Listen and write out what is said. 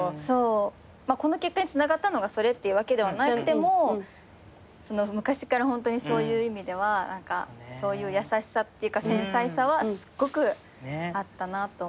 この結果につながったのがそれっていうわけではなくても昔からホントにそういう意味ではそういう優しさっていうか繊細さはすっごくあったなと思います。